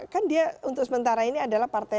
kan dia untuk sementara ini adalah partai